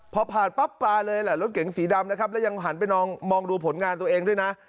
พอผ่านปั๊บปลาเลยแหละรถเก๋งสีดำนะครับแล้วยังหันไปมองดูผลงานตัวเองด้วยนะ